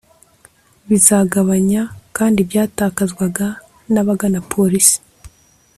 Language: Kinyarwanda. bizagabanya kandi ibyatakazwaga n’abagana Polisi